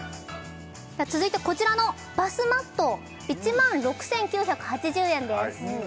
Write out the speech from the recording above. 続いてこちらのバスマット１万６９８０円です